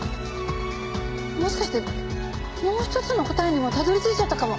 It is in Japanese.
もしかしてもう一つの答えにもたどり着いちゃったかも。